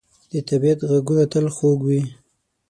د طبیعت ږغونه تل خوږ وي.